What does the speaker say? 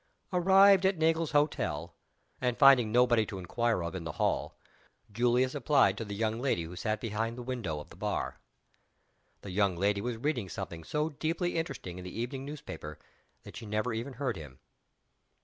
Arrived at Nagle's Hotel, and finding nobody to inquire of in the hall, Julius applied to the young lady who sat behind the window of "the bar." The young lady was reading something so deeply interesting in the evening newspaper that she never even heard him.